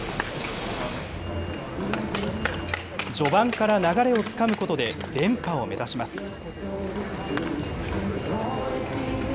序盤から流れをつかむことで連覇を目指します。